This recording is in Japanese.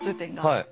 はい。